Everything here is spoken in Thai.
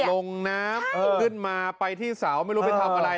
ลงน้ำขึ้นมาไปที่เสาไม่รู้ไปทำอะไร